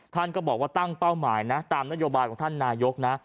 ท่านก็บอกว่าตั้งเป้าหมายนะตามนโยบายของท่านนายกนะ